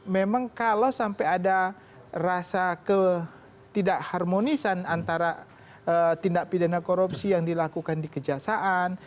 memang kalau sampai ada rasa ketidakharmonisan antara tindak pidana korupsi yang dilakukan di kejaksaan